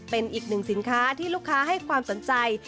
เป็นอีกหนึ่งสินค้าที่ลูกค้าให้ความสนใจ